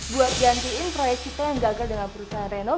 buat gantiin proyek kita yang gagal dengan perusahaan renov